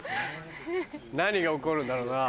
何が起こるんだろうな？